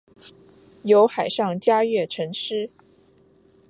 有海上嘉月尘诗。